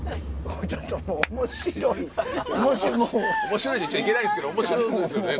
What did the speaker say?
ちょっと面白い面白いもう面白いって言っちゃいけないんですけど面白いですよね